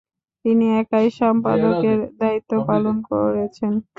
তিনি একাই সম্পাদকের দায়িত্ব পালন করেছেন।